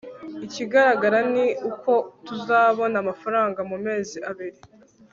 ikigaragara ni uko tuzabona amafaranga mu mezi abiri